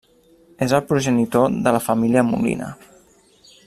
És el progenitor de la família Molina.